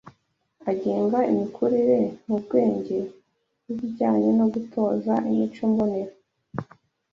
agenga imikurire mu bwenge n’ibijyanye no gutoza imico mbonera